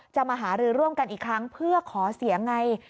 มาหารือร่วมกันอีกครั้งเพื่อขอเสียงไง